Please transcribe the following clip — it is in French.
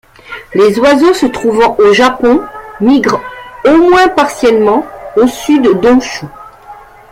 Les oiseaux se trouvant au Japon migrent, au moins partiellement, au sud d'Honshū.